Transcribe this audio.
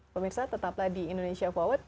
pemirsa tetaplah di indonesia forward